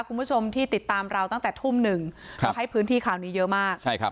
คุณผู้ชมที่ติดตามเราตั้งแต่ทุ่มหนึ่งครับเราให้พื้นที่ข่าวนี้เยอะมากใช่ครับ